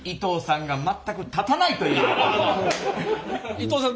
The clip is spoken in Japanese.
伊藤さん